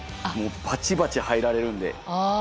バチバチ入られるので。